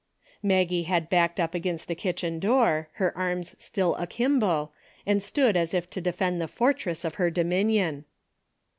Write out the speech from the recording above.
Maggie had backed up against the kitchen door, her arms still akimbo, and stood as if to defend the fortress of her dominion.